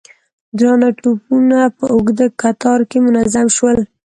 درانه توپونه په اوږده کتار کې منظم شول.